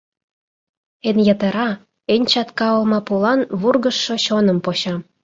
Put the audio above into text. Эн йытыра, эн чатка олмапулан Вургыжшо чоным почам.